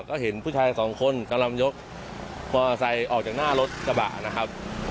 ก็เห็นผู้ชายสองคนกำลังยกมอเตอร์ไซค์ออกจากหน้ารถกระบะนะครับ